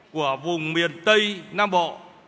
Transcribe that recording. của vùng miền tây nam bộ